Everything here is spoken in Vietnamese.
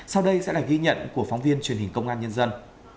sau đây sẽ là ghi nhận của phóng viên truyền hình công an nhân dân